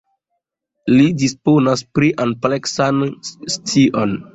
Li disponas pri ampleksan scion.